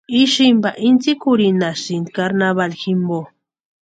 Isïmpa intsikurhinhasïnti carnavali jimpo.